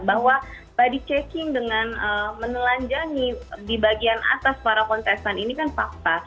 bahwa body checking dengan menelanjangi di bagian atas para kontestan ini kan fakta